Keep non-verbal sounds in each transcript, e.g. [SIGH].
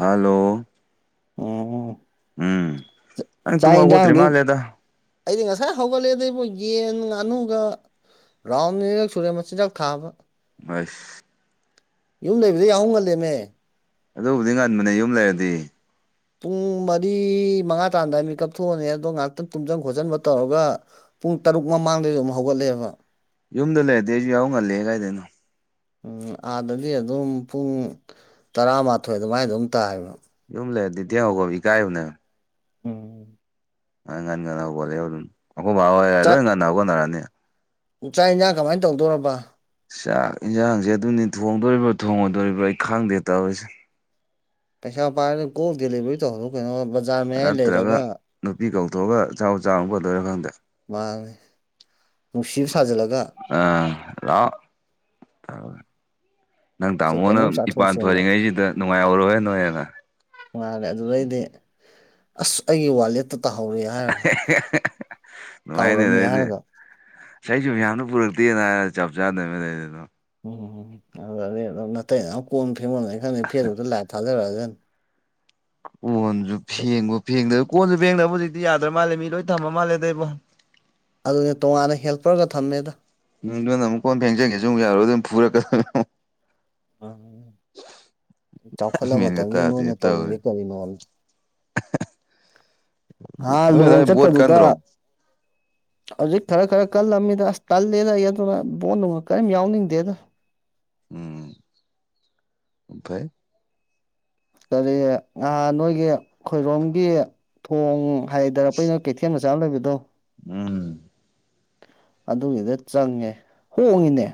Hello ꯎꯝ ꯅꯪ ꯇꯨꯝ ꯍꯧꯒꯠꯇ꯭ꯔꯤ ꯆꯖꯗꯤ ꯃꯥꯜꯂꯦꯗ ꯑꯩꯗꯤ ꯉꯁꯥꯏ ꯍꯧꯒꯠꯂꯛꯦꯗꯕꯨ ꯌꯦꯟ ꯉꯥꯅꯨꯒ ꯔꯥꯎꯟꯅꯤꯔꯛ ꯁꯨꯔꯦ ꯃꯆꯤꯟꯖꯥꯛ ꯊꯥꯕ ꯑꯁ ꯌꯨꯝ ꯂꯩꯕꯗ ꯌꯥꯎꯍ ꯉꯜꯂꯦꯃꯦ ꯑꯗꯨꯕꯨꯗꯤ ꯉꯟꯕꯅꯦ ꯌꯨꯝ ꯂꯩꯔꯗꯤ ꯄꯨꯡ ꯃꯔꯤ ꯃꯉꯥ ꯇꯥꯗꯥꯋꯥꯏ ꯃꯤꯀꯞ ꯊꯣꯛꯑꯅꯤ ꯑꯗꯣ ꯉꯥꯏꯍꯥꯛꯇꯪ ꯇꯨꯝꯁꯤꯟ ꯈꯣꯠꯆꯟꯕ ꯇꯧꯔꯒ ꯄꯨꯡ ꯇꯔꯨꯛ ꯃꯃꯥꯡꯗꯩꯁꯨ ꯑꯗꯨꯝ ꯍꯧꯒꯠꯂꯛꯑꯦꯕ ꯌꯨꯝꯗ ꯂꯩꯔꯗꯤ ꯑꯩꯁꯨ ꯌꯥꯎ ꯉꯜꯂꯦ ꯀꯥꯏꯗꯅꯣ ꯎꯝ ꯑꯥꯗꯗꯤ ꯑꯗꯨꯝ ꯄꯨꯡ ꯇꯔꯥꯃꯥꯊꯣꯏ ꯑꯗꯨꯃꯥꯏ ꯑꯗꯨꯝ ꯇꯥꯏꯌꯦꯕ ꯌꯨꯝ ꯂꯩꯗꯤ ꯍꯧꯣ ꯏꯀꯥꯏꯌꯅꯦ ꯎꯝ ꯑ ꯉꯥꯟ ꯉꯥꯟꯅꯕꯒꯣꯠꯂꯦ ꯑꯗꯨꯝ ꯑꯩꯈꯣꯏ ꯕꯥꯔ ꯂꯣꯏ ꯉꯟꯅꯒꯣꯠꯅꯔꯅꯤ ꯆꯥꯥꯛ ꯏꯟꯁꯥꯡ ꯀꯃꯥꯏꯅ ꯇꯧꯗꯣꯔꯕ ꯆꯥꯛ ꯌꯦꯟꯁꯥꯡꯁꯦ ꯑꯗꯨꯅꯤ ꯊꯣꯡꯗꯣꯔꯤꯕ꯭ꯔꯥ ꯊꯣꯡꯉꯗꯣꯔꯤꯕ꯭ꯔꯣ ꯑꯩ ꯈꯪꯗꯦ ꯇꯧꯔꯤꯁꯦ ꯇ ꯄꯥ ꯀꯣꯏ ꯗꯗꯤꯂꯕꯨꯔꯤ ꯇꯔꯛ ꯀꯩꯅꯣ ꯕꯖꯥꯔ ꯃꯌꯥꯏ ꯂꯩꯔꯒ ꯅꯠꯇ꯭ꯔꯒ ꯅꯨꯄꯤ ꯀꯧꯊꯣꯛꯑꯒ ꯆꯥꯛ ꯆꯥ ꯐꯗꯣꯏꯔꯥ ꯈꯪꯗꯦ ꯃꯥ ꯅꯨꯡꯁꯤꯕ ꯁꯥꯖꯤꯜꯂꯒ ꯑꯥꯎ ꯅꯪ ꯁꯦ ꯇꯥꯃꯣꯅ ꯀꯩꯅꯣꯝ ꯏꯄꯥꯟ ꯆꯥꯊꯣꯛꯁꯦꯅ ꯐꯔꯤꯉꯩꯁꯤꯗ ꯅꯨꯡꯉꯥꯏꯍꯧꯔꯣ ꯍꯦ ꯅꯣꯏ ꯍꯦꯅ ꯉꯔꯦ ꯑꯗꯨꯗꯩꯗꯤ ꯑꯁ ꯑꯩꯒꯤ ꯋꯥꯂꯦꯠꯇ ꯇꯧꯍꯧꯔꯦ ꯍꯥꯏꯔꯒ ꯅꯨꯡꯉꯥꯏꯅꯦ ꯀꯥꯎꯔꯝꯃꯤ ꯑꯗꯩꯗꯤ ꯍꯥꯏꯔꯒ ꯏꯁꯩꯁꯨ ꯌꯥꯝꯅ ꯄꯨꯔꯛꯇꯦꯅ ꯍꯥꯏꯔ ꯆꯞ ꯆꯥꯅꯅ ꯂꯩꯔꯤꯗ ꯎꯝ ꯑꯗꯨꯅꯗꯤ ꯑꯗꯨꯝ ꯅꯥꯇꯩ ꯅꯅꯥꯎ ꯀꯣꯟ ꯐꯦꯡꯕꯥꯝꯗꯩꯩ ꯐꯦꯁꯕꯨꯛꯇ ꯂꯥꯏꯞ ꯊꯥꯖꯔꯛꯑꯁꯅꯤ꯫ ꯀꯣꯟꯁꯨ ꯐꯦꯡꯕ ꯐꯦꯡꯗꯕ ꯀꯣꯟꯁꯨ ꯐꯦꯡꯗꯕ ꯍꯧꯖꯤꯛꯇꯤ ꯌꯥꯗ꯭ꯔ ꯃꯥꯜꯂꯦ ꯃꯤ ꯂꯣꯏ ꯊꯝꯃ ꯃꯥꯜꯂꯦ ꯑꯗꯩꯕꯣ꯫ ꯑꯗꯨꯅꯦ ꯇꯣꯉꯥꯟꯅ ꯍꯦꯜꯄꯔꯒ ꯊꯝꯃꯦꯗ꯫ ꯅꯪ ꯅꯪꯅ ꯑꯃꯨꯛ ꯀꯣꯟ ꯐꯦꯡꯖꯒꯦ ꯑꯃꯨꯛ ꯌꯥꯔꯣꯏ ꯑꯗꯨꯝ ꯐꯨꯔꯒ꯫ ꯎꯝ ꯆꯥꯎꯈꯠꯂ ꯃꯦꯟꯒ ꯃꯇꯝꯁꯤꯗ ꯇꯥꯗꯦ ꯅꯣꯏꯅ ꯇꯧꯔꯤ ꯇꯧꯔꯤꯁꯤ ꯀꯔꯤꯅꯣ꯫ ꯅꯍꯥꯟ ꯅꯣꯏ ꯂꯨꯍꯣꯡ ꯑꯗꯥꯏ ꯕꯣꯠ ꯆꯠꯄꯗꯨꯗ꯫ ꯀꯟꯗ꯭ꯔꯣ ꯍꯧꯖꯤꯛ ꯈꯔ ꯈꯔ ꯀꯜꯂꯝꯃꯤꯗ ꯑꯁ ꯇꯜꯂꯦꯅ ꯑꯩ ꯑꯗꯨꯅ ꯕꯣꯠ ꯅꯨꯡꯒ ꯀꯩꯝ ꯌꯥꯎꯅꯤꯡꯗꯦꯗ꯫ ꯎꯝ ꯐꯩ꯫ ꯀꯔꯤ ꯉꯍꯥꯟ ꯅꯣꯏꯒꯤ ꯈꯣꯏꯔꯣꯝꯒꯤ ꯊꯣꯡ ꯍꯥꯏꯊꯔꯛꯄꯩ ꯅꯣꯏ ꯀꯩꯊꯦꯜ ꯃꯆꯥ꯫ ꯆꯥꯑꯝ ꯂꯩꯕꯗꯣ꯫ ꯎꯝ꯫ ꯑꯗꯨꯒꯤꯗ ꯆꯪꯉꯦ ꯍꯣꯡꯉꯤꯅꯦ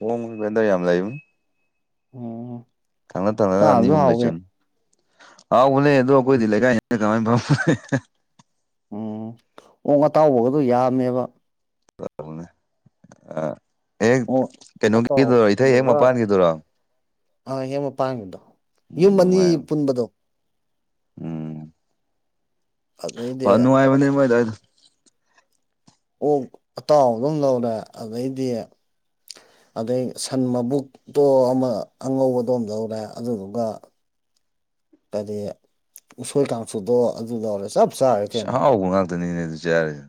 ꯍꯕꯦꯟꯗꯔ ꯌꯥꯝ ꯂꯩꯕ ꯑꯣꯝ ꯊꯪꯅ ꯊꯪꯅꯅ ꯑꯅꯤ ꯑꯍꯨꯝ ꯂꯩ ꯆꯅꯤ ꯍꯥꯎ ꯎꯂ ꯑꯗꯨꯣ ꯑꯩꯣꯏ ꯊ ꯂꯩꯦ ꯀꯥꯏ ꯀꯃꯥꯏꯦ ꯎꯝ ꯑꯣꯛ ꯑꯇꯥꯎꯕꯒꯗꯨꯣ ꯌꯥꯝꯃꯦꯕ ꯑ ꯍꯦꯛ ꯑꯣꯛ ꯀꯩꯅꯣꯒꯤꯗꯨꯔꯣ ꯏꯊꯩ ꯍꯦꯛ ꯃꯄꯥꯟꯒꯤꯗꯨꯔꯣ ꯑꯥ ꯍꯦ ꯃ ꯄꯥꯡꯉꯗꯣ ꯎꯝ ꯌꯨꯝ ꯑꯅꯤ ꯅꯨꯡꯉꯥꯏꯕꯅꯦ ꯄꯨꯟꯕꯗꯣ ꯎꯝ ꯑꯗꯩꯗꯤ ꯐ ꯅꯨꯡꯉꯥꯏꯕꯅꯦ ꯃꯣꯏꯗ ꯑꯩꯗꯣ ꯑꯣꯛ ꯑꯇꯥꯎ ꯑꯗꯨꯝ ꯂꯧꯔꯦ ꯑꯗꯩꯗꯤ ꯑꯗꯩ ꯁꯟ ꯃꯕꯨꯛ꯫ ꯇꯣ ꯑꯃ ꯑꯉꯧꯕꯗꯣ ꯑꯃ ꯂꯧꯔꯦ ꯑꯗꯨꯗꯨꯒ꯫ ꯀꯔꯤ ꯎꯁꯣꯏ ꯀꯥꯡꯁꯨꯗꯣ ꯑꯗꯨ ꯂꯧꯔꯦ ꯆꯞ꯫ ꯆꯥꯔꯦ ꯁꯥ ꯀꯩꯅꯣ ꯑꯥꯎꯕ ꯉꯥꯛꯇꯅꯤꯅꯦ ꯑꯗꯨ ꯆꯔꯤꯁꯦ꯫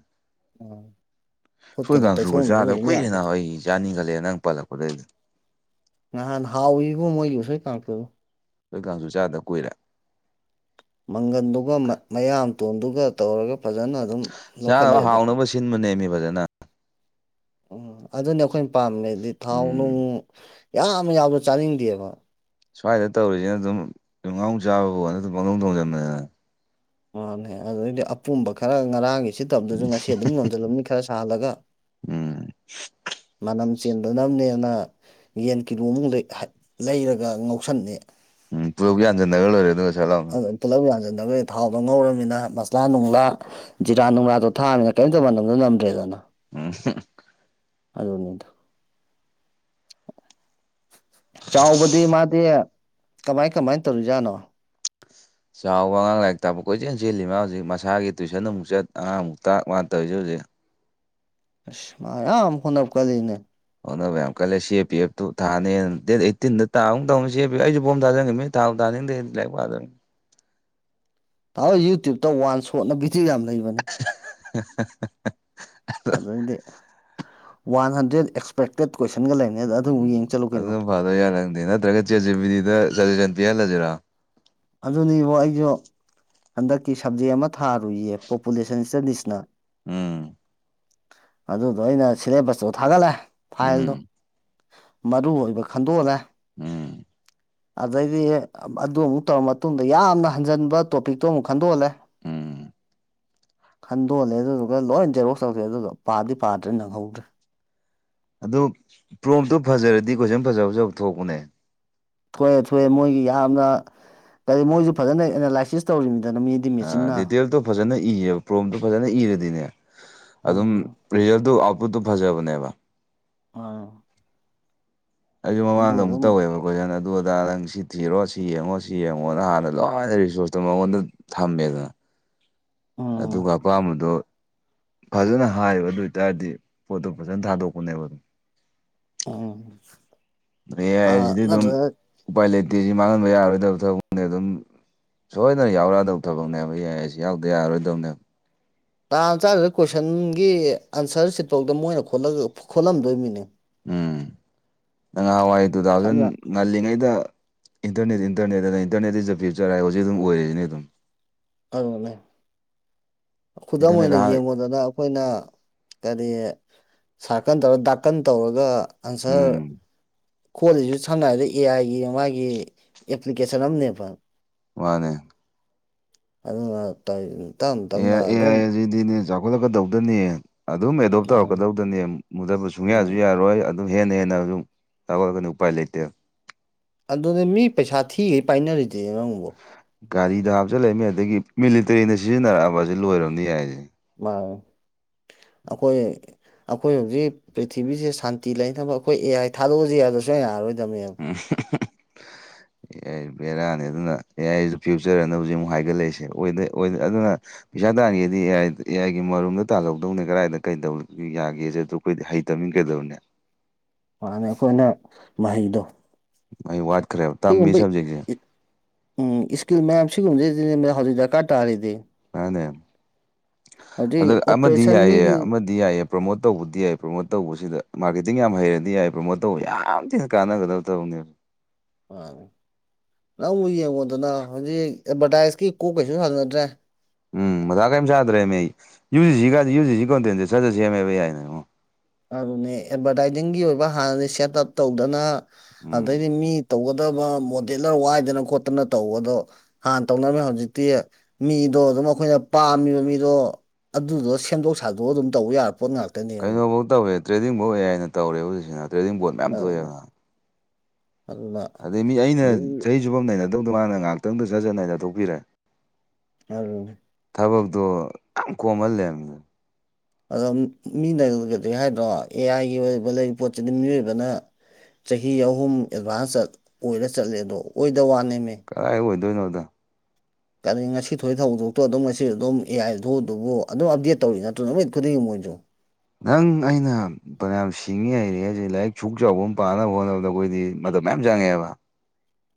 ꯎꯝ꯫ ꯁꯣꯏ ꯈꯨꯠꯀꯗꯣ ꯀꯥꯡꯁꯨꯒ ꯇꯩꯊꯣꯛꯅꯗ꯭ꯔꯁꯨ ꯆꯥꯗꯕ ꯑꯗꯨꯝ ꯀꯨꯏꯔꯦ ꯌꯥꯕꯗꯣ ꯅꯕ ꯑꯩꯗꯤ ꯆꯥꯅꯤꯈꯠꯂꯛꯑꯦ ꯅꯪ ꯄꯜꯂꯛꯄꯗꯩꯗꯤ꯫ ꯅꯍꯥꯟ ꯍꯥꯎꯏ ꯏꯕꯣ ꯃꯣꯏꯒꯤ ꯎꯁꯣꯏ ꯀꯥꯡꯁꯣꯏꯗꯣ꯫ ꯎꯁꯣꯏ ꯀꯥꯡꯁꯨ ꯆꯥꯗ ꯀꯨꯏꯔꯦ꯫ ꯃꯪꯒꯟꯗꯨꯒ ꯃꯌꯥꯝ ꯇꯣꯟꯗꯨꯒ ꯇꯧꯔꯒ ꯐꯖꯅ꯫ ꯑꯗꯨꯝ ꯂꯧꯈꯠꯂꯦ ꯆꯥꯅꯕ ꯑꯗꯣ ꯍꯥꯎꯅꯕ ꯁꯤꯟꯕꯅꯦꯃꯤ ꯐꯖꯅ꯫ ꯎꯝ ꯑꯗꯨꯅꯦ ꯑꯩꯈꯣꯏꯅ ꯄꯥꯝꯃꯦꯗꯤ ꯊꯥꯎ ꯅꯨꯡ ꯎꯝ ꯌꯥꯝ ꯌꯥꯎꯗ ꯆꯥꯅꯤꯡꯗꯦꯕ꯫ ꯁ꯭ꯋꯥꯏꯗ ꯇꯧꯔꯤꯁꯤꯅ ꯑꯗꯨꯝ ꯌꯨꯝꯉꯥꯎꯅ ꯆꯥꯕꯕꯨ ꯁꯨꯝ ꯄꯪꯊꯣꯡ ꯊꯣꯡꯖꯟꯕꯃꯦꯕ꯫ ꯃꯥꯅꯦ ꯑꯗꯩꯩꯗꯤ ꯑꯄꯨꯝꯕ ꯈꯔ ꯉꯔꯥꯡꯒꯤꯁꯤ ꯁꯤꯠꯇꯥꯕꯗꯨꯁꯨ ꯉꯁꯤ ꯑꯗꯨꯝ ꯌꯣꯟꯁꯤꯜꯂꯝꯕꯅꯤ ꯈꯔ ꯁꯥꯍꯜꯂꯒ꯫ ꯎꯝ ꯃꯅꯝ꯫ ꯆꯦꯟꯗꯕꯅꯦꯅ ꯌꯦꯟ ꯀꯤꯂꯣꯃꯨꯛ ꯂꯩꯔꯒ ꯉꯥꯎꯁꯟꯅꯤ꯫ ꯎꯝ ꯄꯨꯂꯞ ꯌꯥꯟꯖꯤꯟꯅꯔꯒ ꯂꯣꯏꯔꯦ ꯑꯗꯨꯒ ꯁꯠ ꯂꯥꯎꯅ꯫ ꯑꯗꯨꯅꯤ ꯄꯨꯂꯞ ꯌꯥꯟꯁꯤꯟꯅꯒꯔꯅꯤ ꯊꯥꯎꯗꯣ ꯉꯧꯔꯃꯤꯟꯅ ꯃꯁꯂꯥ ꯅꯨꯡꯂꯥ꯫ ꯖꯤꯔꯥ ꯅꯨꯡꯔꯥꯗꯣ ꯊꯥꯛꯑꯃꯤꯅ ꯀꯔꯤꯝꯇ ꯃꯅꯝꯗꯣ ꯅꯝꯗ꯭ꯔꯦꯗꯅ꯫ ꯎꯝ꯫ ꯑꯗꯨꯅꯤꯗ꯫ ꯆꯥꯎꯕꯗꯤ ꯃꯥꯗꯤ ꯀꯃꯥꯏ ꯀꯃꯥꯏ ꯇꯧꯔꯤꯖꯥꯠꯅꯣ꯫ ꯆꯥꯎꯕ ꯑꯉꯥꯡ ꯂꯥꯏꯔꯤꯛ ꯇꯥꯛꯄ ꯀꯣꯏ ꯆꯦꯜ ꯆꯦꯜꯂꯤ ꯃꯥ ꯍꯧꯖꯤꯛ ꯃꯁꯥꯒꯤ ꯇꯨꯏꯁꯟ ꯑꯃꯨꯛ ꯆꯠ ꯑꯉꯥꯡꯃꯨꯛꯛꯇꯥꯛ ꯃꯥꯥꯟ ꯇꯧꯔꯤꯁꯦ ꯍꯧꯖꯤꯛ꯫ ꯑꯁ ꯃꯥ ꯌꯥꯝ ꯍꯣꯠꯅꯕ ꯀꯜꯂꯤꯅꯦ꯫ ꯑꯣꯅꯕ ꯌꯥꯝ ꯀꯜꯂꯦ ꯁꯤ ꯑꯦ ꯄꯤ ꯑꯦꯐ ꯇꯨ ꯊꯥꯅꯤꯅ ꯗꯦꯠ ꯑꯩꯠꯇꯤꯟꯗ ꯇꯥꯒꯨꯝ ꯇꯧꯕꯅꯤꯅꯦ ꯑꯩꯁꯨ ꯐꯣꯝ ꯊꯥꯖꯟꯒꯝꯅꯤꯅꯦ꯫ ꯊꯕꯨ ꯊꯥꯅꯤꯡꯗꯔ꯭ꯦꯅꯦ꫰ꯂꯥꯏꯔꯤꯛ ꯄꯥꯗꯝꯅꯤꯅ꯫ ꯌꯨꯇ꯭ꯌꯨꯞꯕꯇ ꯋꯥꯟ ꯁꯣꯠꯅ ꯚꯤꯗꯤꯑꯣ ꯌꯥꯝ ꯂꯩꯕꯅꯦ꯫ [UNINTELLIGIBLE] ꯑꯗꯨꯏꯗꯤ ꯋꯥꯟ ꯍꯟꯗ꯭ꯔꯦꯗ ꯑꯦꯛꯁꯄꯦꯛꯇꯦꯠ ꯀꯣꯏꯁꯟꯒ ꯂꯩꯅꯤꯗ ꯎꯝ ꯑꯗꯨꯅ ꯐꯥꯗ ꯌꯥꯔꯪꯗꯦ ꯅꯠꯇ꯭ꯔꯒ ꯆꯦꯆꯕꯤꯗꯤꯗ ꯁꯖꯦꯁꯟ ꯄꯤꯍꯜꯂꯁꯤꯔꯥ ꯑꯗꯨꯅꯤꯕꯨ ꯑꯩꯁꯨ ꯍꯟꯗꯛꯀꯤ ꯁꯕꯖꯦꯛ ꯑꯃ ꯊꯥꯔꯨꯏꯌꯦ ꯄꯣꯄꯨꯂꯦꯁꯟ ꯏꯁꯇꯗꯤꯁꯅ ꯎꯝ ꯑꯗꯨꯗꯣ ꯑꯩꯅ ꯁꯤꯂꯦꯕꯁꯇꯣ ꯊꯥꯒꯠꯂꯦ ꯐꯥꯏꯜꯗꯣ ꯎꯝ ꯃꯔꯨ ꯑꯣꯏꯕ ꯈꯟꯗꯣꯛꯜꯂꯦ ꯎꯝ ꯑꯗꯩꯗꯤ ꯑꯗꯨ ꯑꯃꯨꯛ ꯇꯧꯔ ꯃꯇꯨꯡꯗ ꯌꯥꯝꯅ ꯍꯟꯖꯤꯟꯕ ꯇꯣꯄꯤꯛꯇꯣ ꯑꯃꯨꯛ ꯈꯟꯗꯣꯛꯍꯜꯂꯦ ꯎꯝ ꯈꯟꯗꯣꯍꯜꯂꯦ ꯑꯗꯨꯗꯨꯒ ꯂꯣꯏ ꯖꯦꯔꯣꯛꯁ ꯇꯧꯗꯦ ꯑꯗꯨꯗꯣ ꯄꯥꯗꯤ ꯄꯥꯗ꯭ꯔꯦ ꯅꯪꯍꯧꯗ꯭ꯔꯦ ꯑꯗꯨ ꯄ꯭ꯔꯣꯝꯇꯣ ꯐꯖꯔꯗꯤ ꯀꯣꯏꯁꯟ ꯐꯖ ꯐꯖꯕ ꯊꯣꯛꯄꯅꯦ ꯊꯣꯛꯑꯦ ꯊꯣꯛꯑꯦ ꯃꯣꯏꯒꯤ ꯌꯥꯝꯅ ꯀꯔꯤ ꯃꯣꯏꯁꯨ ꯐꯖꯅ ꯑꯦꯅꯥꯂꯥꯏꯁꯤꯁ ꯇꯧꯔꯤꯅꯤꯗꯅ ꯃꯤ ꯑ ꯗꯤꯇꯦꯜꯇꯣ ꯐꯖꯅ ꯏꯌꯦꯕ ꯄ꯭ꯔꯣꯝꯇꯣ ꯐꯖꯅ ꯏꯔꯗꯤꯅꯦ ꯑꯗꯨꯝ ꯎꯝ ꯔꯤꯖꯜꯇꯨ ꯑꯥꯎꯠꯄꯨꯠꯇꯨ ꯐꯖꯕꯅꯦꯕ꯫ ꯑ꯫ ꯑꯩꯁꯨ ꯃꯃꯥꯡꯗ ꯑꯃꯨꯛ ꯑꯗꯨꯝ ꯇꯧꯋꯦꯕ꯫ ꯀꯣꯏꯁꯟ ꯑꯗꯨ ꯑꯗꯥ ꯅꯪ ꯁꯤ ꯊꯤꯔꯣ ꯁꯤ ꯌꯦꯡꯉꯣ ꯁꯤ ꯌꯦꯡꯉꯣꯅ ꯍꯥꯟꯅ ꯂꯣꯏꯅ ꯔꯤꯁꯣꯔꯁꯇꯣ ꯃꯉꯣꯟꯗ ꯊꯝꯃꯦꯗꯅ꯫ ꯎꯝ ꯑꯗꯨꯒ ꯑꯄꯥꯝꯕꯗꯣ꯫ ꯐꯖꯅ ꯍꯥꯏꯌꯦꯕ ꯑꯗꯨ ꯑꯣꯏꯇꯥꯔꯗꯤ ꯄꯣꯠꯇꯣ ꯐꯖꯅ ꯊꯥꯗꯣꯛꯄꯅꯦꯕ ꯑꯗꯨꯝ꯫ ꯎꯝ꯫ ꯑꯦꯌꯥꯏ ꯑꯥ ꯍꯥꯏꯁꯤꯗꯤ ꯑꯗꯨꯝ ꯅꯠꯇ꯭ꯔꯒ ꯎꯄꯥꯏ ꯂꯩꯇꯦ ꯁꯤ ꯃꯥꯡꯍꯟꯕ ꯌꯥꯔꯣꯏꯗꯕ ꯊꯕꯛꯅꯦ ꯑꯗꯨꯝ꯫ ꯁꯣꯏꯗꯅ ꯌꯥꯎꯔꯛꯑꯗꯧ ꯊꯕꯛꯅꯦꯕ ꯑꯦꯌꯥꯏ ꯁꯤ ꯌꯥꯎꯗ ꯌꯥꯔꯣꯏꯗꯧꯅꯦꯕ꯫ ꯇꯥꯡ ꯆꯥꯁꯤꯗ ꯀꯣꯏꯁꯟꯒꯤ ꯑꯟꯁꯔ ꯁꯤꯠꯐꯥꯎꯗ ꯃꯣꯏꯅ ꯈꯣꯠꯂꯝꯗꯣꯏꯃꯤꯅꯦ꯫ ꯎꯝ ꯅꯍꯥꯋꯥꯏ ꯇꯨ ꯊꯥꯎꯖꯟ꯫ ꯁꯝꯅ ꯉꯜꯂꯤꯉꯩꯗ ꯏꯟꯇꯔꯅꯦꯠ ꯏꯟꯇꯔꯅꯦꯠ ꯑꯅ ꯏꯟꯇꯔꯅꯦꯠꯇ ꯏꯁ ꯗ ꯐ꯭ꯌꯨꯆꯔ ꯍꯥꯏ ꯍꯧꯖꯤꯛꯁꯨ ꯑꯗꯨꯝ ꯑꯣꯏꯔꯤꯁꯤꯅꯤ ꯑꯗꯨꯝ꯫ ꯑꯗꯨꯅꯦꯦ ꯈꯨꯗꯥꯗꯝ ꯃ ꯏꯟꯇꯔꯅꯦꯠ ꯑꯣꯏꯅ ꯀ ꯑꯍꯥꯟ ꯌꯦꯡ ꯃꯣ ꯗꯗꯥ ꯑꯩꯈꯣꯏꯅ ꯀꯔꯤ ꯁꯥꯔꯀꯟ ꯇꯧꯔ ꯗꯥꯀꯟ ꯇꯧꯔꯒ ꯑꯟꯁꯔ ꯎꯝ ꯈꯣꯜꯂꯤꯁꯤ ꯁꯝꯅ ꯍꯥꯏꯔꯕꯗ ꯑꯦ ꯑꯥꯏꯒꯤ ꯃꯥꯒꯤ ꯑꯦꯄ꯭ꯂꯤꯀꯦꯁꯟ ꯑꯃꯅꯦꯕ ꯋꯥꯅꯦ ꯑꯗꯨꯅ ꯇ ꯇ ꯑꯦ ꯑꯦꯗꯤꯅꯦ ꯍꯧꯈꯠꯂꯛꯀꯗꯧꯗꯅꯤ ꯑꯗꯨꯝ ꯑꯦꯗꯣꯞ ꯃꯥꯅꯤ ꯇꯧꯔꯛꯀꯗꯧꯗꯅꯤ ꯃꯨꯗ ꯎꯝ ꯁꯨꯡꯌꯥꯁꯨ ꯌꯥꯔꯣꯏ ꯑꯗꯨꯝ ꯍꯦꯟꯅ ꯍꯦꯟꯅ ꯑꯗꯨꯝ ꯊꯒꯠꯂꯒꯅꯤ ꯎꯄꯥꯏ ꯂꯩꯇꯦ ꯑꯗꯨꯗꯤ ꯃꯤ ꯄꯩꯁꯥ ꯊꯤꯈꯩ ꯄꯥꯏꯅꯔꯤꯗꯦ ꯅꯪꯕꯨꯣ ꯒꯥꯔꯤꯗ ꯍꯥꯞꯆꯤꯜꯂꯛꯏꯃꯤ ꯑꯗꯒꯤ ꯃꯤꯂꯤꯇꯔꯤꯅ ꯁꯤꯖꯤꯟꯅꯔꯛꯑꯕꯕꯁꯤ ꯂꯣꯏꯔꯕꯅꯤ ꯍꯥꯏꯏꯁꯦ ꯑꯩꯈꯣꯏ ꯑꯩꯈꯣꯏ ꯍꯧꯖꯤꯛ ꯄ꯭ꯔꯤꯊꯤꯕꯤꯁꯤꯦ ꯁꯥꯟꯇꯤ ꯂꯩꯅ ꯊꯕ ꯑꯩꯈꯣꯏ ꯑꯦꯌꯥꯥꯏ ꯊꯥꯗꯣꯛꯎꯁꯤ ꯍꯥꯏꯗꯁꯨ ꯑ ꯌꯥꯔꯣꯏꯗꯕꯅꯦꯕ [UNINTELLIGIBLE] ꯑꯦ ꯕꯦꯔꯥꯅꯤ ꯑꯗꯨꯅ ꯑꯦ ꯑꯩꯁꯨ ꯐ꯭ꯌꯨꯆꯔꯅ ꯍꯧꯖꯤꯛ ꯑꯃꯨꯛ ꯍꯥꯏꯒꯠꯂꯛꯏꯁꯦ ꯑꯗꯨꯅ ꯄꯩꯁꯥ ꯇꯥꯒꯦꯗꯤꯥꯏ ꯑꯦ ꯑꯥꯏꯒꯤ ꯃꯔꯨꯝꯗ ꯇꯥꯜꯍꯧꯗꯧꯅꯦ ꯀꯗꯥꯏꯗ ꯀꯩꯗꯧ ꯌꯥꯒꯦꯛ ꯑꯩꯈꯣꯏꯗꯤ ꯍꯩ ꯇꯝꯃꯤꯟꯈꯗꯕꯅꯦ ꯃꯥꯅꯤ ꯑꯩꯈꯣꯏꯅ ꯃꯍꯩꯗꯣ ꯑꯩ ꯋꯥꯠꯈ꯭ꯔꯦꯕ ꯇꯝꯃꯤ ꯁꯤꯒꯨꯝꯕ ꯁꯕꯖꯦꯛꯁꯦ ꯎꯝ ꯏꯁꯀꯤꯜ ꯃꯌꯥꯝ ꯁꯤꯒꯨꯝꯕꯗꯩ ꯍꯧꯖꯤꯛ ꯗꯔꯀꯥꯔ ꯇꯥꯔꯤꯗꯤ ꯍꯧꯖꯤꯛ ꯑꯗ ꯑꯃꯗꯤ ꯑꯣꯄꯔꯦꯁꯟ ꯌꯥꯏꯌꯦ ꯃꯤꯒꯤ ꯗꯤ ꯌꯥꯏꯌꯦ ꯄ꯭ꯔꯣꯃꯣꯠ ꯇꯧꯕꯗꯤ ꯌꯥꯏ ꯄ꯭ꯔꯣꯃꯣꯠ ꯇꯧꯕꯁꯤꯗ ꯃꯥꯔꯀꯦꯇꯤꯡ ꯌꯥꯝ ꯍꯩꯔꯗꯤ ꯌꯥꯏ ꯄ꯭ꯔꯣꯃꯣꯠ ꯇꯧꯕ ꯌꯥꯝ ꯊꯤꯅ ꯀꯥꯟꯅꯒꯗꯕ ꯇ ꯎꯅꯦꯅꯤꯔ ꯅꯪꯕꯨ ꯌꯦꯡꯉꯣꯗꯅ ꯍꯧꯖꯤꯛ ꯑꯦꯗꯚꯔꯇꯥꯏꯁꯀꯤ ꯀꯣꯛ ꯀꯩꯁꯨ ꯍꯥꯟꯅꯗ꯭ꯔꯦ ꯎꯝ ꯃꯊꯥ ꯀꯔꯤꯝ ꯁꯥꯗ꯭ꯔꯦꯃꯦ ꯑꯩ ꯌꯨ ꯖꯤꯁꯤꯒ ꯌꯨ ꯖꯤꯁꯤ ꯀꯣꯟꯇꯦꯟꯁꯦ ꯆꯠꯖ ꯁꯦꯝꯃꯦꯕ ꯌꯥꯏꯅ ꯑꯗꯨꯅꯦ ꯑꯦꯗꯚꯔꯇꯥꯏꯖꯤꯡꯒꯤ ꯑꯣꯏꯕ ꯍꯥꯟꯅꯗꯤ ꯁꯦꯠ ꯑꯞ ꯇꯧꯗꯅ ꯎꯝ ꯑꯗꯩꯗꯤ ꯃꯤ ꯇꯧꯒꯗꯕ ꯃꯣꯗꯦꯂꯔ ꯋꯥꯏꯗꯅ ꯈꯣꯠꯇꯅ ꯇꯧꯕꯗꯣ꯫ ꯍꯥꯟꯅ ꯇꯧꯅꯔꯝꯃꯦ ꯍꯧꯖꯤꯛꯇꯤ ꯃꯤꯗꯣ ꯑꯗꯨꯝ ꯑꯈꯣꯏꯅ ꯄꯥꯝꯃꯤꯕ ꯃꯤꯗꯣ꯫ ꯑꯗꯨꯗꯣ ꯁꯦꯝꯗꯣꯛ ꯁꯥꯗꯣꯛꯑ ꯑꯗꯨꯝ ꯇꯧꯌꯥꯔ ꯄꯣꯠ ꯉꯥꯛ꯫ ꯀꯩꯅꯣꯕꯥꯎ ꯇꯧꯋꯦ ꯇ꯭ꯔꯦꯗꯤꯡꯕꯥꯎ‌ ꯑꯦ ꯑꯥꯏ ꯅ ꯇꯧꯔꯦ ꯍꯧꯖꯤꯛꯁ‌ꯦ ꯇ꯭ꯔꯦꯡꯕꯣꯔꯠ ꯃꯌꯥꯝ ꯑꯗꯨꯅ ꯊꯣꯛꯑꯦꯅ꯫ ꯑꯗꯨꯅ ꯑꯗꯩ ꯃꯤ ꯑꯩꯅ ꯂꯨꯏ ꯆꯍꯤ ꯆꯨꯞꯄ ꯑꯝ ꯅꯩꯅꯗꯧꯗꯨ ꯃꯥꯅ ꯉꯥꯛꯇꯪꯗ ꯖꯠꯖꯠ ꯅꯩꯅ ꯊꯣꯛꯄꯤꯔꯦ꯫ ꯫ ꯊꯕꯛꯇꯣ ꯀꯣꯝꯍꯜꯂꯦ ꯍꯥꯏꯅꯤꯗ꯫ ꯑꯗꯣ ꯃꯤꯅꯒꯗꯤ ꯍꯥꯏꯗ꯭ꯔꯣ ꯑꯦ ꯑꯥꯏꯒꯤ ꯑꯣꯏꯕ ꯂꯩ ꯄꯣꯠꯁꯤꯗꯤ ꯃꯤꯑꯣꯏꯕꯅ꯫ ꯆꯍꯤ ꯑꯍꯨꯝ ꯑꯦꯗꯚꯥꯟꯁ ꯆꯠ ꯑꯣꯏꯔ ꯆꯠꯂꯦ ꯑꯗꯣ ꯑꯣꯏꯗ ꯋꯥꯅꯦꯃꯦ꯫ ꯀꯥꯏ ꯑꯣꯏꯗꯣꯏꯅꯣꯗ꯫ ꯀ ꯉꯁꯤ ꯊꯣꯛ ꯊꯧꯗꯣꯛꯇꯣ ꯑꯗꯨꯝ ꯉꯁꯤ ꯑꯗꯨꯝ ꯑꯦ ꯑꯥꯏ ꯊ ꯑꯗꯨꯕꯨ ꯑꯗꯨꯝ ꯑꯞꯗꯦꯠ ꯇꯧꯔꯤ ꯅꯠꯇ꯭ꯔꯣ ꯅꯨꯃꯤꯠ ꯈꯨꯗꯤꯡꯒꯤ ꯃꯣꯏꯁꯨ꯫ ꯅꯪ ꯑꯩꯅ ꯐꯅꯌꯥꯝ ꯁꯤꯡꯉꯤ ꯍꯩꯔꯦ ꯍꯧꯁꯦ ꯂꯥꯏꯔꯤꯛ ꯁꯨꯛ ꯆꯥꯎꯕ ꯑꯃ ꯄꯥꯅꯕ ꯍꯣꯠꯅꯕꯗ ꯑꯩꯈꯣꯏꯗꯤ ꯃꯇꯝ ꯃꯌꯥꯝ ꯆꯪꯉꯦꯕ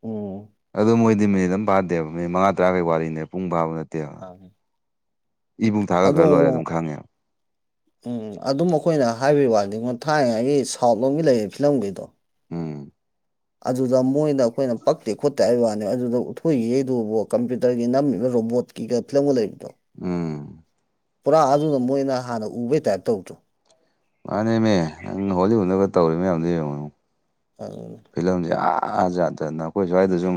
ꯎꯝ ꯑꯗꯨꯣ ꯃꯣꯏꯗꯤ ꯃꯤꯅꯤꯠ ꯑꯗꯨꯝ ꯄꯥꯗꯦꯕ ꯃꯤꯠ ꯃꯉꯥ ꯇꯔꯥꯈꯩ ꯋꯥꯔꯤꯅꯦ ꯄꯨꯡ ꯐꯥꯕ ꯅꯠꯇꯦ ꯑꯣꯦ ꯃꯥꯅꯤ ꯏꯕꯨꯡ ꯊꯥꯒ ꯑꯗꯣ ꯈꯔ ꯂꯣꯏꯔꯦ ꯑꯗꯨꯝ ꯈꯪꯉꯦꯕ ꯎꯝ ꯑꯗꯨꯝ ꯑꯩꯈꯣꯏꯅ ꯍꯥꯏꯕꯒꯤ ꯋꯥꯅꯤꯉꯣ ꯊꯥꯏꯅꯉꯩꯒꯤ ꯁꯥꯎꯠ ꯂꯣꯝꯒꯤ ꯂꯩꯔꯤꯕ ꯐꯤꯂꯝꯒꯤꯗꯣ ꯎꯝ ꯑꯗꯨꯗ ꯃꯣꯏꯅ ꯑꯩꯈꯣꯏꯅ ꯄꯛꯇꯦ ꯈꯣꯠꯇꯦ ꯍꯥꯏꯕ ꯋꯥꯅꯤ ꯑꯗꯨꯗ ꯍꯈꯣꯏꯒꯤ ꯌꯗꯨꯕꯨ ꯀꯝꯄ꯭ꯌꯨꯇꯔꯒꯤ ꯅꯝꯃꯤꯕ ꯔꯣꯕꯣꯠꯀꯤꯒ ꯐꯤꯂꯝꯒ ꯂꯩꯕꯗꯣ ꯎꯝ ꯄꯨꯔꯥ ꯑꯗꯨꯅ ꯃꯣꯏꯅ ꯍꯥꯟꯅ ꯎꯕꯩ ꯇꯥꯏꯞ ꯇꯧꯗ꯭ꯔꯣ ꯃꯥꯅꯦꯃꯤ ꯅꯪ ꯍꯣꯂꯤ ꯋꯨꯠꯅꯒ ꯇꯧꯔꯤ ꯃꯌꯥꯝꯗꯨ ꯌꯦꯡꯉꯨ꯫ ꯑꯗꯨꯅꯤ ꯐꯤꯂꯝꯁꯦ ꯑꯥ ꯑꯖꯥꯠꯇ ꯑꯩꯈꯣꯏ ꯁ꯭ꯋꯥꯏꯗ ꯁꯨꯝ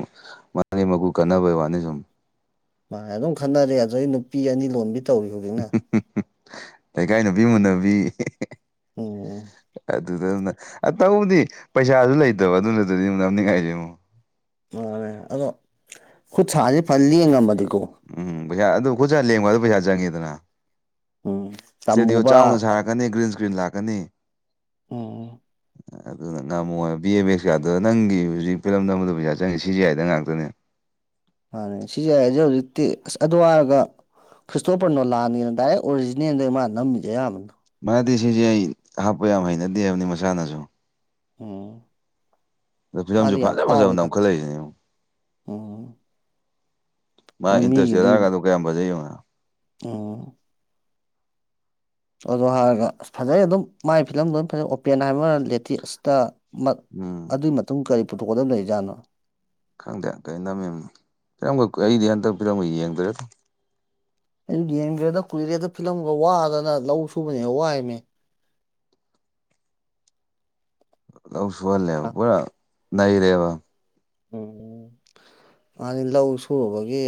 ꯃ ꯃꯀꯨ ꯀꯟꯅꯕꯩ ꯋꯥꯅꯤ ꯁꯨꯝ ꯃꯥꯅꯦ ꯑꯗꯨꯝ ꯈꯟꯅꯔꯦ ꯑꯗꯨꯗꯩ ꯅꯨꯄꯤ ꯑꯅꯤ ꯂꯣꯟꯕꯤ ꯇꯧꯔꯤ ꯍꯧꯖꯤꯛꯅ꯫ ꯂꯩꯀꯥꯏ ꯅꯨꯄꯤ ꯃꯨꯟꯅꯕꯤ꯫ ꯎꯝ ꯑꯗꯨꯗ ꯇꯧꯕꯗꯤ ꯄꯩꯁꯥꯁꯨ ꯂꯩꯇꯕ ꯑꯗꯨꯗꯨꯗꯗꯤ ꯅꯝꯅꯤꯡꯉꯥꯏꯁꯦꯡꯉꯣ꯫ ꯃꯥꯅꯦ ꯑꯗꯣ ꯈꯨꯠ ꯁꯥꯥꯁꯦ ꯐꯟ ꯂ‌ꯦꯡꯉꯝꯃꯗꯤꯀꯣ꯫ ꯎꯝ ꯄꯩꯁꯥ ꯑꯗꯨ ꯈꯨꯣꯏꯁꯥ ꯂꯦꯡꯕ ꯑꯗꯨ ꯄꯩꯁꯥ ꯆꯪꯉꯤꯗꯅ꯫ ꯎꯝ ꯏꯁꯇꫭꯗꯤꯑꯣ ꯇꯝꯃꯨꯕ ꯆꯥꯎꯅ ꯁꯥꯔꯛꯀꯅꯤ ꯒ꯭ꯔꯤꯟ ꯏꯁꯀ꯭ꯔꯤꯟ ꯂꯥꯛꯀꯅꯤ꯫ ꯑꯣ꯫ ꯑꯗꯨꯅ ꯉꯝꯃꯣꯏꯕ ꯕꯤ ꯑꯦꯝ ꯑꯦꯛꯁ ꯀꯥꯗ ꯅꯪꯒꯤ ꯍꯧꯖꯤꯛ ꯐꯤꯂꯝꯗꯝꯕꯗ ꯄꯩꯁꯥ ꯆꯪꯉꯤ ꯁꯤꯖꯤꯑꯥꯏꯗ ꯍ ꯉꯥꯛꯇꯅꯦ꯫ ꯃꯥꯅꯦ ꯁꯤꯖꯤ ꯑꯥꯏꯁꯦ ꯍꯧꯖꯤꯛꯇꯤ ꯑꯁ ꯑꯗꯨꯋꯥꯏꯔꯒ꯫ ꯈ꯭ꯔꯤꯁꯇꯣꯄꯔ ꯅꯣꯂꯥꯟꯒꯤꯅ ꯗꯥꯏꯔꯦꯛ ꯑꯣꯔꯤꯖꯤꯅꯦꯜꯗ ꯃꯥꯅ ꯅꯝꯃꯤꯁ‌ꯦ ꯑꯌꯥꯝꯕꯅ꯫ ꯃꯥꯗꯤ ꯁꯤꯖꯤ ꯑꯥꯏ ꯍꯥꯞꯄ ꯌꯥꯝ ꯍꯩꯅꯗꯦ ꯍꯥꯏꯕꯅꯤ ꯃꯁꯥꯅꯁꯨ꯫ ꯑꫭ꯫ ꯑꯗꯨ ꯐꯤꯂꯝꯁꯨ ꯐꯖ ꯐꯖꯕ ꯅꯝ ꯈꯠꯂꯛꯏꯁꯤꯅꯦ꯫ ꯎꯝ ꯃꯥ ꯑꯗꯣ ꯏꯟꯇꯔꯆ‌ꯦꯂꯔ ꯒꯗꯣ ꯀꯌꯥꯝ ꯐꯖꯩ ꯋ‌ꯦꯉꫭ ꯅꯕ꯫ ꯑꯣ꯫ ꯑꯗꯨ ꯍꯥꯏꯔꯒ ꯐꯖꯩ ꯑꯗꯨꯝ ꯃꯥꯏ ꯐꯤꯂꯝꯗ ꯑꯗꯨꯝ ꯐꯖꯩ ꯑꯣꯄꯦꯟ ꯍꯥꯏꯕ ꯑꯃ ꯂꯦꯇꯦꯁꯇ꯫ ꯎꯝ ꯑꯗꯨꯏ ꯃꯇꯨꯡ ꯀꯔꯤ ꯄꯨꯊꯣꯛꯀꯗꯕ ꯂꯩꯔꯤꯖꯥꯠꯅꯣ꯫ ꯈꯪꯗꯦ ꯀꯩꯅꯝꯃꯤꯝꯅꫭ ꯀꯩꯝꯒ ꯑꯩꯗꯤ ꯍꯟꯗꯛ ꯐꯤꯂꯝꯒ ꯌꯦꯡꯗ꯭ꯔꯦꯗ꯫ ꯑꯩ ꯌꯦꯡꯗ꯭ꯔꯦꯗ ꯀꯨꯏꯔꯦꯗ ꯐꯤꯂꯝꯒ ꯋꯥꯗꯅ ꯂꯧ ꯁꯨꯕꯅ ꯍ‌ꯦꯟ ꯋꯥꯏꯃꯤ꯫ ꯂꯧ ꯁꯨꯍꯜꯂꯦꯕ ꯑ ꯄꯨꯔꯥ ꯅꯩꯔꯦꯕ꯫ ꯎꯝ ꯃꯥꯗꯤ ꯂꯧ ꯁꯨꯔꯨꯕꯒꯤ꯫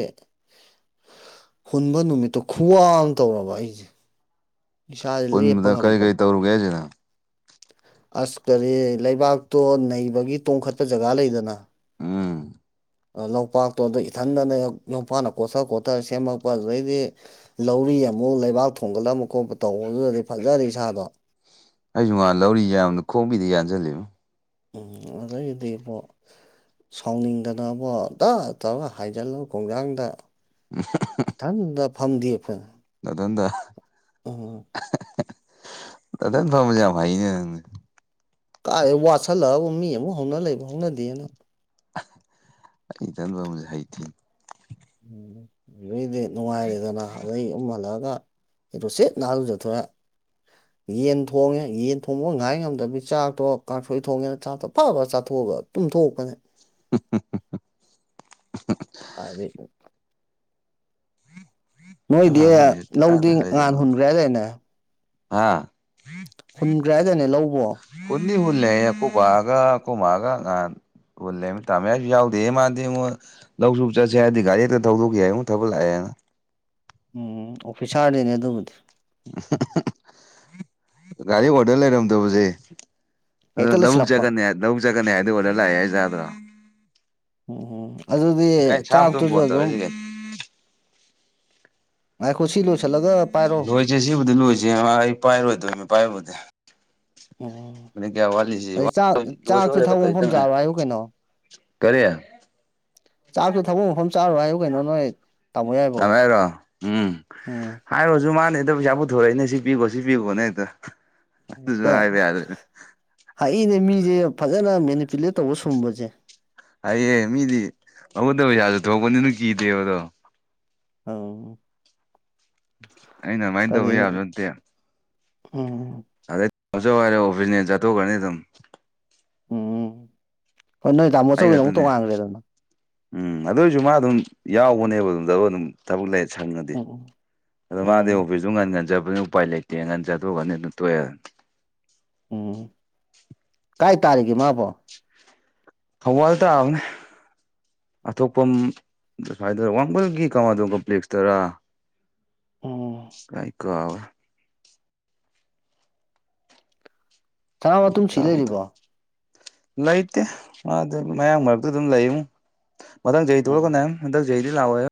ꯍꯨꯟꯕ ꯅꯨꯃꯤꯠꯇꯣ ꯈꯨꯋꯥ ꯑꯝ ꯇꯧꯔꯕ ꯑꯩꯁꯦ ꯏꯁꯥꯁꯦ ꯂꯦꯞꯄ ꯍꯨꯟꯕꯗ ꯀꯔꯤ ꯉꯝꯗꯕ꯫ [UNINTELLIGIBLE] ꯑꯁ ꯀꯔꯤ ꯂꯩꯕꯥꯛꯇꯣ ꯅꯩꯕꯒꯤ ꯇꯣꯡꯈꯠꯄ ꯖꯒꯥ ꯂꯩꯗꯅ꯫ ꯎꯝ ꯂꯣꯛꯄꯥꯛꯇꯣ ꯑꯗ ꯏꯊꯟꯗꯅ ꯅꯨꯄꯥꯅ ꯀꯣꯠꯊ ꯀꫭꯠꯊꯔ ꯁꯦꯝꯃꯛꯄ ꯑꯗꯨꯗꯩꯗꯤ꯫ ꯂꯧꯔꯤ ꯑꯃꯨꯛ ꯂꯩꯕꯥꯛ ꯊꯣꯡꯒꯠꯂꯝꯕ ꯈꯣꯠꯄ ꯇꯧꯕꯗꯨꯗꯗꯤ ꯐꯖꯔ ꯏꯁꯥꯗꯣ꯫ ꯑꯩꯁꯨ ꯉꯥꯟ ꯂꯧꯔꯤ ꯌꯥꯝꯕꯗ ꯈꯣꯡꯕꯤꯗ ꯌꯥꯟꯖꯤꯜꯂꯤꯝ꯫ ꯎꯝ ꯑꯗꯩꯗꯤ ꯏꯕꫭ꯫ ꯁꯥꯎꯅꯤꯡꯗꯅꯕꫭ ꯗꯥ ꯇꯧꯔꯒ ꯍꯥꯏꯖꯤꯜꯂꯨ ꯈꯣꯡꯖꯥꯡꯗ꯫ ꯏꯊꯟꯗ ꯐꯝꯗ‌ꯦꯛ ꯄꯅꯤ꯫ ꯅꯊꯟꯗ꯫ ꯑꯣ ꯑꯗ ꯊ ꯐꯥꯏꯅꯦꯅꯤ ꯀꯥꯏꯦ ꯋꯥꯠꯁꯜꯂꯛꯑꯕ ꯃꯤ ꯑꯃꯨꯛ ꯍꯧꯅ ꯂꯩꯕ ꯍꯧꯅꯗꯦꯅ ꯑꯩ ꯇꯟꯕ ꯑꯃꯁꯦ ꯍꯩꯇꯦ ꯎꯝ ꯑꯗꯨꯏꯗꯤ ꯅꯨꯡꯉꯥꯏꯔꯦꯗꯅ ꯑꯗꯩ ꯑꯃꯛ ꯍꯜꯂꯛꯑꯒ ꯑꯩꯗꯣꯁꯤꯠ ꯍꯥꯜ ꯆꯠꯊꯣꯛꯑꯦ [INAUDIBLE] ꯌꯦꯟ ꯊꯣꯡꯉꯦ ꯌꯦꯟ ꯊꯣꯡꯕꯒ ꯉꯥꯏ ꯉꯝꯗꯕꯕꯤ ꯆꯥꯛꯇꯣ ꯀꯥꯡꯁꯣꯏ ꯊꯣꯡꯉꯦꯅ ꯆꯥꯛꯇꯣ ꯐꯥ ꯐꯥ ꯆꯥꯊꯣꯛꯑꯕ꯫ ꯇꯨꯝꯊꯣꯛꯄꯅꯤ꯫ [UNINTELLIGIBLE] ꯑꯗꯩ꯫ ꯅꯣꯏꯗꯤ ꯀꯅꯥꯅꯣ ꯃꯦꯁꯦꯁ ꯄꯨꯡꯊꯥ ꯂꯧꯗꯤ ꯉꯥꯟ ꯍꯨꯟꯈ꯭ꯔꯦ ꯍꯥꯏꯗꯥꯏꯅ‌ꯦ꯫ ꯍꯥꯥ ꯍꯨꯟꯒ꯭ꯔꯥꯗꯅꯦ ꯂꯧꯕꯣ ꯄꯨꯅꯤ ꯍꯜꯂ ꯀꯣ ꯒ ꯀꯣ ꯃꯥꯒ ꯉꯥꯟ ꯑꯣꯂꯦꯃꯤ ꯇꯃꯦꯁꯨ ꯌꯥꯎꯗꯦ ꯃꯥꯥꯟꯗ ꯂꯧꯁꯨ ꯆꯠꯁꯦ ꯍꯥꯏꯗꯤ ꯒꯥꯔꯤ ꯍꯦꯛꯇ ꯊꯗꯣꯛꯦ ꯍꯥꯏ ꯑꯃꯨꯛ ꯊꯕ ꯂꯥꯛꯑꯦꯅ ꯎꯝ ꯑꯣꯐꯤꯁꯥꯔꯗꯤꯅꯦ ꯑꯗꯨꯕꯨꯗꯤ ꯒꯥꯔꯤ ꯑꯣꯔꯗꯔ ꯂꯩꯔꯝꯗꯕꯁꯦ ꯑꯗꯨꯣ ꯍꯦꯛꯇ ꯂꯧꯕꯨꯛ ꯂꯩꯁꯤꯜꯂꯛꯄ ꯆꯖꯀꯟꯅꯤ ꯂꯧꯕꯛ ꯆꯖꯀꯟꯅꯤ ꯍꯥꯏꯗꯤ ꯋꯥꯂ ꯍꯥꯏꯁꯗ꯭ꯔꯣ ꯎꯝꯝ ꯑꯗꯨꯗꯤ ꯀꯥꯏ ꯁꯥꯝꯇꯨꯝ ꯆꯥꯛꯇꯨꯁꯨ ꯐꯣꯟ ꯑꯗꯨꯝ ꯇꯧꯔꯛꯏꯁꯤ ꯀꯩꯅꯣ ꯑ ꯈꯣꯏꯁꯤ ꯂꯨꯁꯤꯂꯒ ꯂꯣꯏꯁꯦ ꯁꯤꯕꯨꯗꯤ ꯂꯣꯏꯁꯦ ꯑꯩ ꯄꯥꯏꯔꯣꯏꯗꯣꯏꯅꯦ ꯄꯥꯏꯔꯕꯨꯗꯤ ꯎꯝ ꯃ ꯀꯌꯥ ꯋꯥꯂꯤꯁꯤ ꯑꯗꯩ ꯆꯥꯛ ꯆꯥꯛꯁꯨ ꯈꯔꯤꯗ ꯊꯕꯛ ꯀꯔꯤ ꯃꯐꯝ ꯆꯥꯔꯣ ꯍꯥꯏꯌꯨ ꯀꯩꯅꯣ ꯆꯥꯛꯁꯨ ꯊꯕꯛ ꯃꯐꯝ ꯆꯥꯔꯣ ꯍꯥꯏꯌꯨ ꯀꯩꯅꯣ ꯅꯣꯏ ꯇꯥꯃꯣ ꯌꯥꯏꯕꯣ ꯇꯃꯦꯔꯣ ꯎꯝ ꯎꯝ ꯍꯥꯏꯔꯨꯔꯁꯨ ꯃꯥꯅꯦꯗ ꯄꯩꯁꯥ ꯄꯨꯊꯣꯔꯛꯏꯅꯦ ꯁꯤ ꯄꯤꯈꯣ ꯁꯤ ꯄꯤꯈꯣꯅꯦ ꯍꯦꯛꯇ ꯑꯗꯨꯁꯨ ꯍꯦꯛꯇ ꯍꯥꯏꯕ ꯌꯥꯗ꯭ꯔꯦ ꯍꯥꯏꯏꯅꯦ ꯃꯤꯁꯦ ꯐꯖꯅ ꯃꯦꯅꯤꯄꯨꯂꯦꯠ ꯇꯧꯕ ꯁꯨꯝꯕꯁꯦ ꯍꯑꯦ ꯃꯤꯗꯤ ꯑꯕꯨꯠꯇ ꯄꯩꯁꯥꯁꯨ ꯊꯣꯛꯄꯅꯤꯅ ꯀꯤꯗꯦꯕ ꯑꯗꯣ ꯑꯣ ꯑꯩꯅ ꯑꯗꯨꯃꯥꯏꯅ ꯑꯗꯩ ꯇꯧꯕ ꯌꯥꯕꯁꯨ ꯅꯠꯇꯦ ꯎꯝ ꯑꯗꯩ ꯇꯧꯖꯧ ꯍꯥꯏꯔꯦ ꯑꯣꯐꯤꯁꯅꯦ ꯆꯠꯇꯧꯒꯔꯅꯤ ꯑꯗꯨꯝ ꯎꯝꯝ ꯍꯣꯏ ꯅꯣꯏ ꯇꯥꯃꯣ ꯑꯩ ꯑꯆꯧꯕꯒꯤꯗ ꯑꯃꯨꯛ ꯈꯛꯇꯅꯦ ꯇꯣꯉꯥꯟꯈ꯭ꯔꯦꯗꯅ ꯎꯝ ꯑꯗꯨꯏꯁꯨ ꯃꯥ ꯑꯗꯨꯝ ꯌꯥꯎꯕꯅꯦꯕ ꯑꯗꯨꯝꯗ ꯑꯗꯨꯝ ꯊꯕꯛ ꯂꯩ ꯁꯪꯉꯗꯤ ꯎꯝ ꯑꯗꯣ ꯃꯥꯗꯤ ꯎꯝ ꯑꯣꯐꯤꯁ ꯑꯗꯨ ꯉꯟ ꯉꯟꯖꯕꯅꯤ ꯎꯄꯥꯏ ꯂꯩꯇꯦ ꯉꯟꯖꯥꯗꯣꯛꯒꯅꯤ ꯑꯗꯨ ꯇꯣꯛꯑꯦꯅꯤ ꯎꯝ ꯀꯥꯏ ꯇꯥꯔꯤꯒꯦ ꯃꯥꯕꯣ ꯍ ꯋꯥꯜ ꯇꯥꯎꯅꯦ ꯑꯇꯣꯞꯄꯝ ꯁꯋꯥꯏꯗꯔ ꯋꯥꯡꯕꯜꯒꯤ ꯀꯃꯥꯗꯣ ꯀꯝꯄ꯭ꯂꯦꯛꯁꯇꯔꯥ ꯎꯝ ꯀꯥꯏ ꯀꯣꯕ ꯁꯅꯥ ꯃꯇꯨꯝ ꯁꯤ ꯇꯥꯒꯨꯝ ꯇꯧ ꯂꯩꯔꯤꯕꯣ ꯂꯩꯇꯦ ꯑꯗꯨ ꯃꯌꯥꯝꯡ ꯃꯔꯛꯇꯨ ꯑꯗꯨꯝ ꯂꯩꯨ ꯃꯊꯪꯩꯗꯕ ꯀꯣ ꯎꯝ ꯃꯪ ꯌꯩꯗꯤ ꯂꯥꯎꯑꯣ